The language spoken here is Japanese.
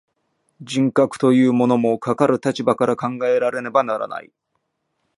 人格というものも、かかる立場から考えられねばならない。